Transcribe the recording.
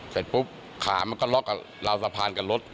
เสร็จปุ๊บขามันก็ล็อกกับราวสะพานกับรถ